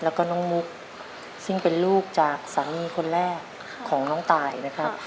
แล้วก็น้องมุกซึ่งเป็นลูกจากสามีคนแรกของน้องตายนะครับ